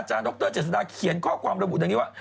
ดรเจษฎาเขียนข้อความระบุดังนี้ว่า